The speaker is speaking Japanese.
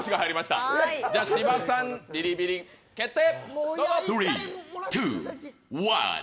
芝さん、ビリビリ決定。